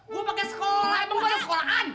gue pake sekolahin pengguna sekolahan